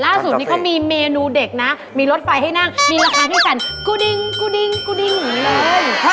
ล่าสุดนี้เขามีเมนูเด็กนะมีรถไฟให้นั่งมีราคาด้วยกันกูดิงกูดิงกูดิงอย่างนี้เลย